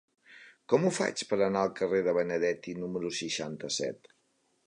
Com ho faig per anar al carrer de Benedetti número seixanta-set?